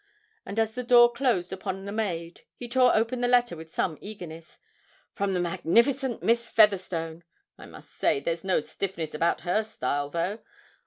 and as the door closed upon the maid he tore open the letter with some eagerness. 'From the magnificent Miss Featherstone I must say there's no stiffness about her style, though!